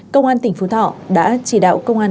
công an tỉnh phú thọ đã chỉ đạo công an